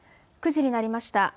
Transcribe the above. ９時になりました。